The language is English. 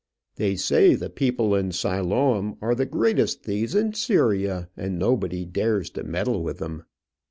"They say the people in Siloam are the greatest thieves in Syria; and nobody dares to meddle with them."